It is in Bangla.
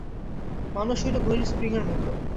মানুষ হইল ঘড়ির স্প্রিং-এর মত।